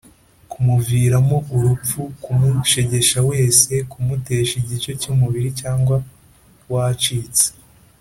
Kumuviramo urupfu kumushegesha wese kumutesha igice cy umubiri cyangwa wacitse